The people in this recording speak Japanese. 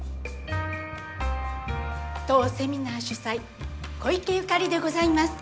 当セミナー主催小池ゆかりでございます。